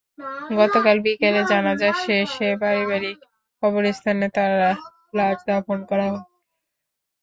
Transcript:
গতকাল বিকেলে জানাজা শেষে পারিবারিক কবরস্থানে তাঁর লাশ দাফন করা হয়।